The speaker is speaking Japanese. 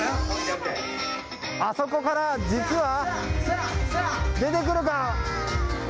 あそこから実は出てくるか。